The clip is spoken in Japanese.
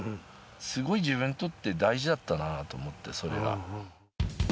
すごい自分にとって大事だったなと思って、それが。